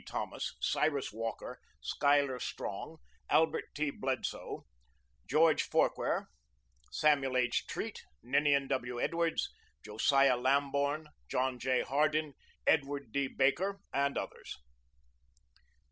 Thomas, Cyrus Walker, Schuyler Strong, Albert T. Bledsoe, George Forquer, Samuel H. Treat, Ninian W. Edwards, Josiah Lamborn, John J. Hardin, Edward D. Baker, and others.